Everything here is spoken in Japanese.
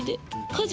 家事。